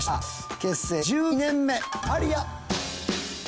結成１２年目マリア。